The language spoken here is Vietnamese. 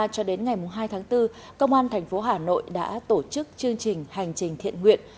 cho đến ngày hai tháng bốn công an thành phố hà nội đã tổ chức chương trình hành trình thiện nguyện